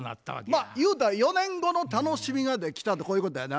まあゆうたら４年後の楽しみができたとこういうことやな。